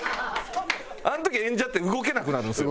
あの時演者って動けなくなるんですよ。